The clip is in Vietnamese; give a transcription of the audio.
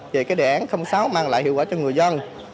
về cái đề án sáu mang lại hiệu quả cho người dân